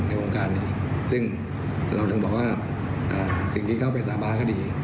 ในวงการนี้ซึ่งเราถึงบอกว่าสิ่งที่เขาไปสาบานก็ดี